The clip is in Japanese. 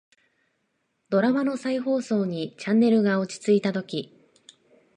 ドラマの再放送にチャンネルが落ち着いたとき、